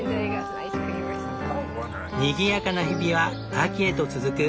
にぎやかな日々は秋へと続く。